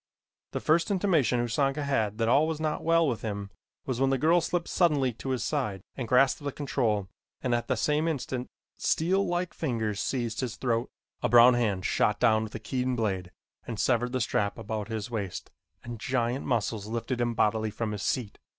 The first intimation Usanga had that all was not well with him was when the girl slipped suddenly to his side and grasped the control and at the same instant steel like fingers seized his throat. A brown hand shot down with a keen blade and severed the strap about his waist and giant muscles lifted him bodily from his seat.